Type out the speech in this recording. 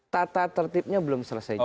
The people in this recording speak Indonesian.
tata tertibnya belum selesai